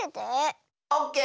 オッケー！